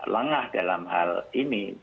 lengah dalam hal ini